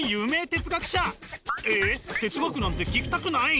哲学なんて聞きたくない？